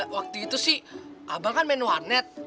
waktu itu sih abang kan main warnet